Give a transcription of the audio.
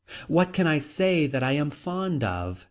What can I say that I am fond of.